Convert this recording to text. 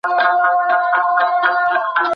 موږ بايد د سياسي پرېکړو پر پايلو ژور فکر وکړو.